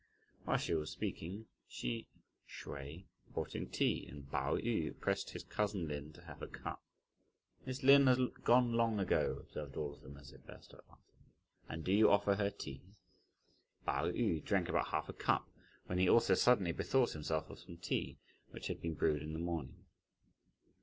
While she was speaking, Hsi Hsüeh brought in tea, and Pao yü pressed his cousin Lin to have a cup. "Miss Lin has gone long ago," observed all of them, as they burst out laughing, "and do you offer her tea?" Pao yü drank about half a cup, when he also suddenly bethought himself of some tea, which had been brewed in the morning.